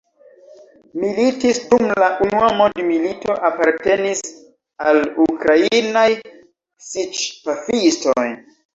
Militis dum la Unua mondmilito, apartenis al Ukrainaj siĉ-pafistoj.